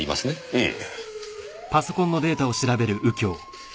ええ。